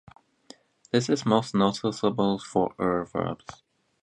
This is most noticeable for "-er" verbs.